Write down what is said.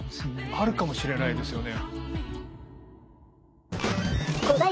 あるかもしれないですよね。